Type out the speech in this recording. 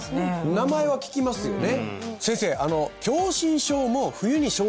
名前は聞きますよね